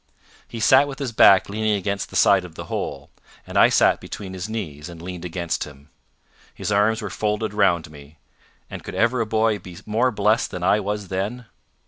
He sat with his back leaning against the side of the hole, and I sat between his knees, and leaned against him. His arms were folded round me; and could ever boy be more blessed than I was then?